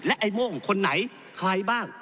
และไอโหม่นคนไหนใครบ้าง